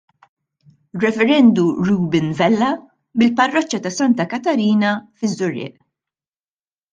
Rev. Reuben Vella mill-parroċċa ta' Santa Katarina fiż-Żurrieq.